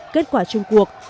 kết quả chung cuộc